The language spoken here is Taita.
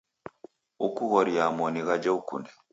Ukughoriaa moni ghaja ukunde.